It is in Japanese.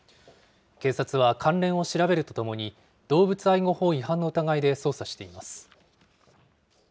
警察は、関連を調べるとともに、動物愛護法違反の疑いで捜査しています。